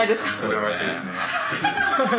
羨ましいですね。